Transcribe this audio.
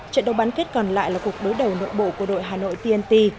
trận đấu bán kết còn lại là cuộc đối đầu nội bộ của đội hà nội tnt